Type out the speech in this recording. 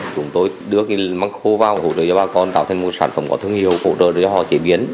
chúng tôi đưa măng khô vào hỗ trợ cho bà con tạo thành một sản phẩm có thương hiệu hỗ trợ để cho họ chế biến